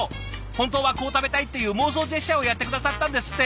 本当はこう食べたいっていう妄想ジェスチャーをやって下さったんですって。